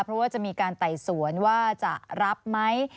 เพราะว่าจะมีการไต่สวนว่าจะรับไหม